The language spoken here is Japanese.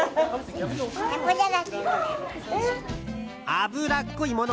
脂っこいもの。